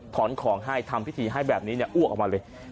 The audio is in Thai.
ของให้ทำพิธีให้แบบนี้อ้วกออกมาเลย